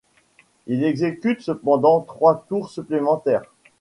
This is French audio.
Il exécute cependant trois tours supplémentaires.